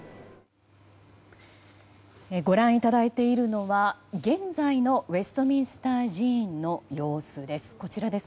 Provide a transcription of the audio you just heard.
ご覧いただいているのは現在のウェストミンスター寺院の様子です。